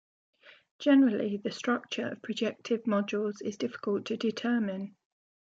Generally, the structure of projective modules is difficult to determine.